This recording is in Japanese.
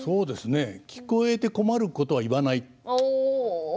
聞こえてまずいことは言わない。